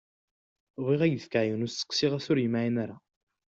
Bɣiɣ ad ak-d-fkeɣ yiwen n usteqsi ɣas ur yemɛin ara.